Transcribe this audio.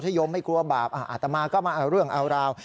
ยมไม่กลัวบาปอาตมาก็มาเอาเรื่องเอาราว